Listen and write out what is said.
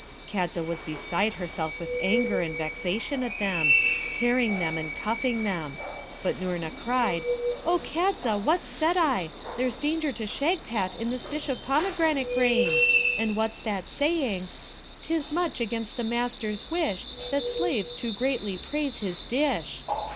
Kadza was beside herself with anger and vexation at them, tearing them and cuffing them; but Noorna cried, 'O Kadza! what said I? there's danger to Shagpat in this dish of pomegranate grain! and what's that saying: "'Tis much against the Master's wish That slaves too greatly praise his dish."